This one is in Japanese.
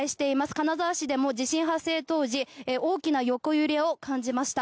金沢市でも地震発生当時大きな横揺れを感じました。